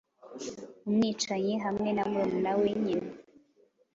Umwicanyi-hamwe-na murumuna we nyina